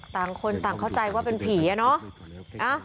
ต่างคนต่างเข้าใจว่าเป็นผีอะเนาะ